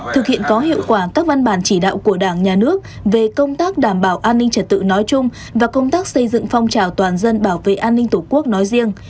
thực hiện có hiệu quả các văn bản chỉ đạo của đảng nhà nước về công tác đảm bảo an ninh trật tự nói chung và công tác xây dựng phong trào toàn dân bảo vệ an ninh tổ quốc nói riêng